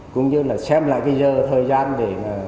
cũng như là xem lại cái giờ thời gian để mà